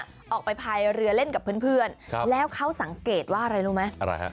เขาไปพายเรือเล่นกับเพื่อนแล้วเขาสังเกตว่าอะไรรู้ไหม